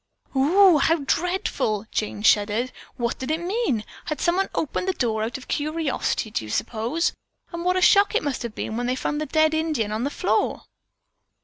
"Oh oo, how dreadful!" Jane shuddered. "What did it mean? Had someone opened the door out of curiosity, do you suppose, and what a shock it must have been when they found that dead Indian on the floor."